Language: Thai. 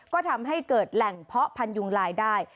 ก็ทำให้เกิดแหล่งเพาะพันธุยุงลายได้